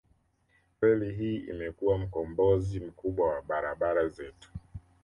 Reli hii imekuwa mkombozi mkubwa wa barabara zetu